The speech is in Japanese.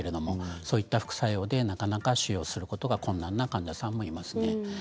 そういう副作用でなかなか使用することが困難な患者さんもいます。